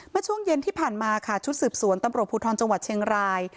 ช่วงเย็นที่ผ่านมาค่ะชุดสืบสวนตำรวจภูทรจังหวัดเชียงราย